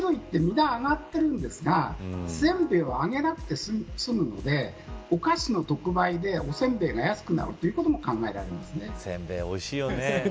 ですから、菓子類って値段が上がってるんですがせんべいは、上げなくて済むのでお菓子の特売でおせんべいが安くなるということも考えられます。